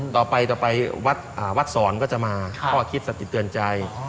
ต่อไปต่อไปวัดสอนก็จะมาข้อคิดสติเตือนใจ